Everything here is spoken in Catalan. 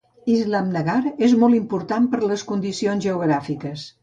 Islamnagar és molt important per les condicions geogràfiques.